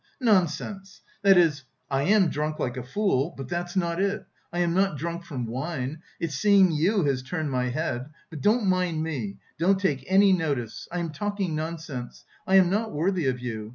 "Nonsense! That is... I am drunk like a fool, but that's not it; I am not drunk from wine. It's seeing you has turned my head... But don't mind me! Don't take any notice: I am talking nonsense, I am not worthy of you....